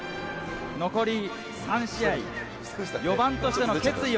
残り３試合、４番としての決